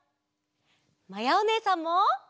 まやおねえさんも！